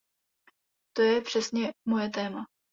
To je přesně moje téma.